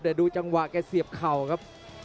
แต่ดูจังหวะแกเสียบเข่าครับ